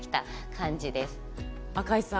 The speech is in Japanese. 赤石さん